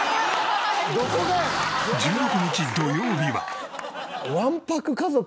１６日土曜日は。